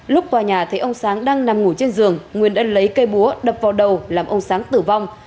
lúc tòa nhà thấy ông sáng đang nằm ngủ trên giường nguyên đã lấy cây búa đập vào đầu làm ông sáng tử vong